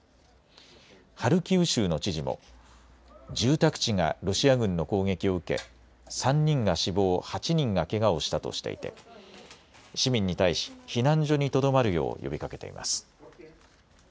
ハルキウ州の知事も住宅地がロシア軍の攻撃を受け３人が死亡、８人がけがをしたとしていて市民に対し避難所にとどまるよう呼びかけています。